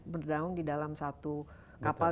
berdaung di dalam satu kapal